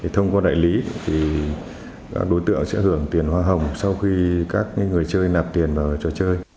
thông qua đại lý thì các đối tượng sẽ hưởng tiền hoa hồng sau khi các người chơi nạp tiền vào trò chơi